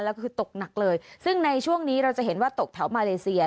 แล้วก็ตกหนักเลยซึ่งในช่วงนี้เราจะเห็นว่าตกแถวมาเลเซีย